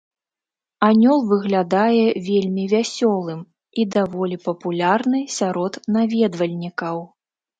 Анёл выглядае вельмі вясёлым і даволі папулярны сярод наведвальнікаў.